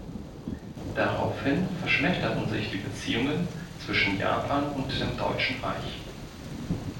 Daraufhin verschlechterten sich die Beziehungen zwischen Japan und dem Deutschen Reich.